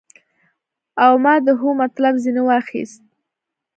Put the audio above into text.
او ما د هو مطلب ځنې واخيست.